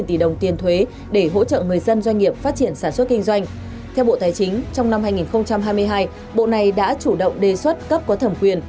trong năm hai nghìn hai mươi hai bộ này đã chủ động đề xuất cấp có thẩm quyền